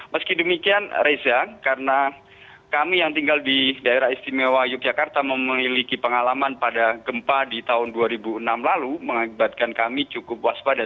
meski demikian reza karena kami yang tinggal di daerah istimewa yogyakarta memiliki pengalaman pada gempa di tahun dua ribu enam lalu mengakibatkan kami cukup waspada